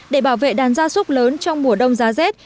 để bảo vệ đàn gia súc lớn trong mùa đông giá rét